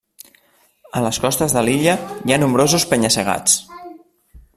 A les costes de l'illa hi ha nombrosos penya-segats.